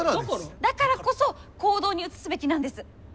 だからこそ行動に移すべきなんです！